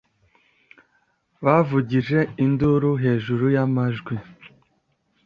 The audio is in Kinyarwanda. Bavugije induru hejuru y'amajwi.